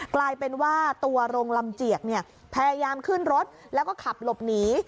กลายเป็นว่าตัวโรงลำเจียกเนี่ยพยายามขึ้นรถแล้วก็ขับหลบหนี